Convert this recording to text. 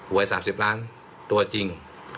หัวให้๓๐ล้านตัวจริง